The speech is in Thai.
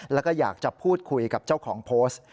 แล้วก็อยากจะพูดคุยกับเจ้าของโพสต์